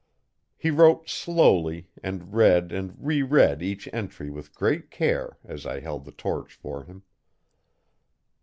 He wrote slowly and read and reread each entry with great care as I held the torch for him.